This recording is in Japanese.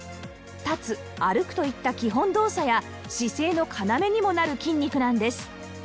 立つ歩くといった基本動作や姿勢の要にもなる筋肉なんです